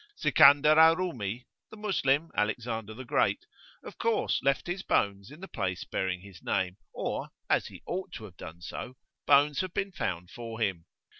[FN#18] Sikandar al Rumi, the Moslem Alexander the Great, of course left his bones in the place bearing his name, or, as he ought to have done so, bones have been found for him.